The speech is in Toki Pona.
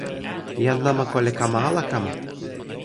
jan namako li kama ala kama?